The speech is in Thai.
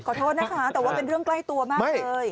ขอโทษนะคะแต่ว่าเป็นเรื่องใกล้ตัวมากเลย